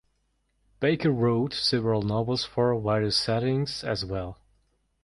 Baker wrote several novels for various settings as well.